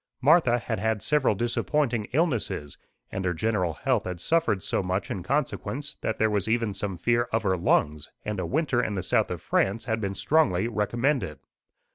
Martha had had several disappointing illnesses, and her general health had suffered so much in consequence that there was even some fear of her lungs, and a winter in the south of France had been strongly recommended.